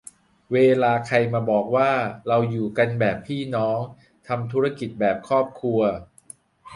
เวลาใครมาบอกว่า "เราอยู่กันแบบพี่น้อง" "ทำธุรกิจแบบครอบครัว"